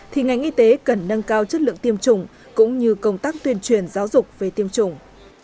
thì ngành y tế cần nâng cao chất lượng tiêm chủng cũng như công tác tuyên truyền giáo dục về tiêm chủng